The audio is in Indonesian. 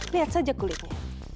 lihat saja kulitnya